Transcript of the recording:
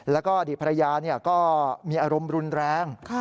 แล้วก็อดีตภรรยาก็มีอารมณ์รุนแรง